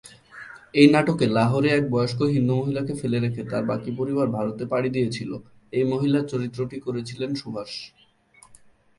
এই নাটকে লাহোরে এক বয়স্ক হিন্দু মহিলাকে ফেলে রেখে তার বাকি পরিবার ভারতে পাড়ি দিয়েছিল, এই মহিলার চরিত্রটি করেছিলেন সুভাষ।